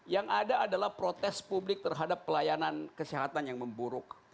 yang ada adalah protes publik terhadap pelayanan kesehatan yang memburuk